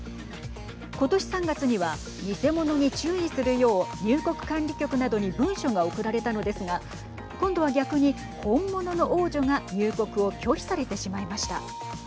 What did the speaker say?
ことし３月には偽物に注意するよう入国管理局などに文書が送られたのですが今度は逆に本物の王女が入国を拒否されてしまいました。